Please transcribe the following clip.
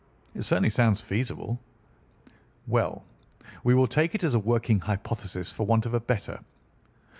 "It certainly sounds feasible." "Well, we will take it as a working hypothesis for want of a better.